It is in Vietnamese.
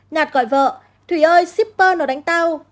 nhạt gọi vợ thủy ơi shipper nó đánh tao